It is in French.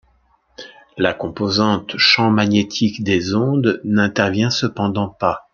La composante champ magnétique des ondes n'intervient cependant pas.